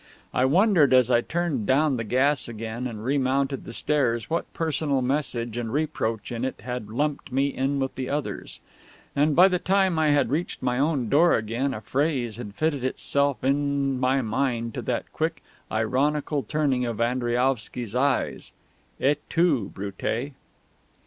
I wondered as I turned down the gas again and remounted the stairs what personal message and reproach in it had lumped me in with the others; and by the time I had reached my own door again a phrase had fitted itself in my mind to that quick, ironical turning of Andriaovsky's eyes: _"Et tu, Brute!..."